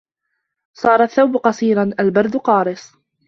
صَارَ الثَّوْبُ قَصِيرًا. الْبَرْدُ قَارِسٌ.